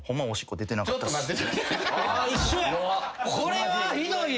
これはひどい！